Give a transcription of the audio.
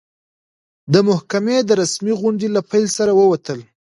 د محکمې د رسمي غونډې له پیل سره ووتل.